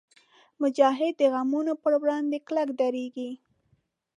مجاهد د غمونو پر وړاندې کلک درېږي.